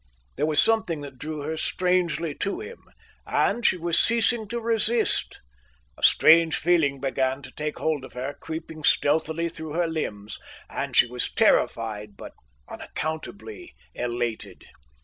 There was something that drew her strangely to him, and she was ceasing to resist. A strange feeling began to take hold of her, creeping stealthily through her limbs; and she was terrified, but unaccountably elated.